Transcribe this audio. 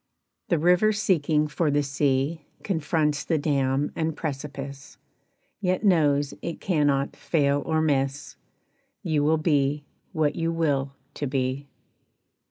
The river seeking for the sea Confronts the dam and precipice, Yet knows it cannot fail or miss; You will be what you will to be!